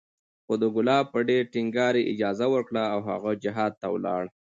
خو د کلاب په ډېر ټينګار یې اجازه ورکړه او هغه جهاد ته ولاړ